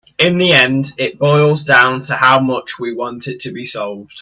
In the end it boils down to how much we want it to be solved.